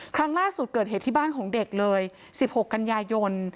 ครั้งล่าสุดเกิดเหตุที่บ้านของเด็กเลย๑๖กันยายน